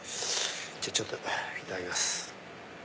ちょっといただきます。